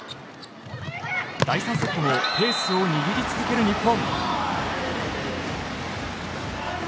第３セットもペースを握り続ける日本。